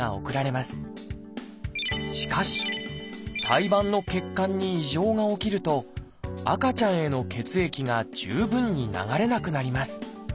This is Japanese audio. しかし胎盤の血管に異常が起きると赤ちゃんへの血液が十分に流れなくなります。